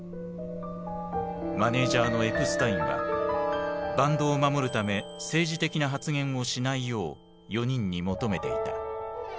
マネージャーのエプスタインはバンドを守るため政治的な発言をしないよう４人に求めていた。